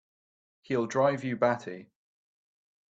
He'll drive you batty!